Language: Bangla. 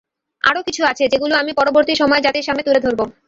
আরও কিছু আছে, যেগুলো আমি পরবর্তী সময়ে জাতির সামনে তুলে ধরব।